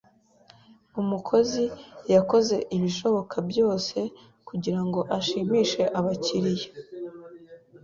Umukozi yakoze ibishoboka byose kugirango ashimishe abakiriya.